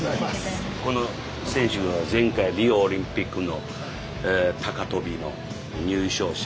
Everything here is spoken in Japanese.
この選手は前回リオオリンピックの高飛びの入賞者。